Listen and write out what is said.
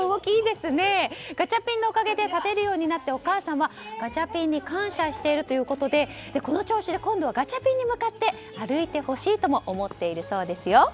ガチャピンのおかげで立てるようになってお母さんは、ガチャピンに感謝しているということでこの調子で今度はガチャピンに向かって歩いてほしいとも思っているそうですよ。